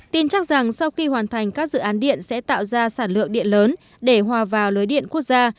tin chắc rằng sau khi hoàn thành các dự án điện sẽ tạo ra sản lượng điện lớn để hòa vào lưới điện quốc gia